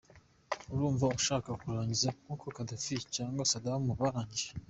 Urumva ushaka kurangiza nkuko Gaddafi cyangwa Saddam barangije?